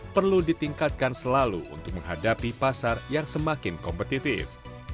perlu ditingkatkan selalu untuk menghadapi pasar yang semakin kompetitif